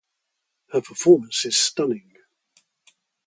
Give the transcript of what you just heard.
Her performance is stunning.